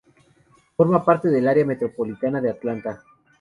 Forma parte del área metropolitana de Atlanta.